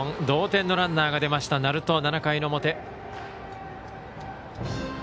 同点のランナーが出ました、鳴門７回の表。